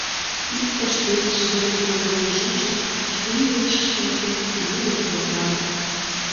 Иктышт-весышт деке погынен шинчын, шке илышышт нерген луйык мутланат.